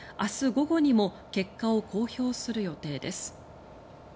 午後にも結果を公表する予定です。